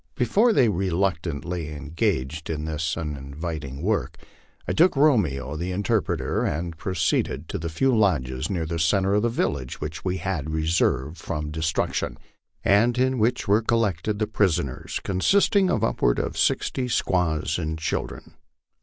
Before they reluctantly engaged in this uninviting work, I took Romeo, the interpreter, and proceeded to the few lodges near the centre of the village which we had reserved from destruc tion, and in which were collected the prisoners, consisting of upward of sixty squaws and children.